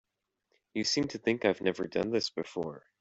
You seem to think I've never done this before.